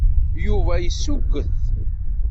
Yuba yessuget.